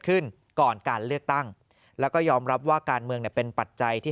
ก่อนการเลือกตั้งแล้วก็ยอมรับว่าการเมืองเนี่ยเป็นปัจจัยที่